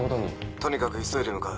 とにかく急いで向かう。